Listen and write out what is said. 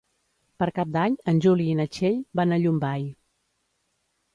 Per Cap d'Any en Juli i na Txell van a Llombai.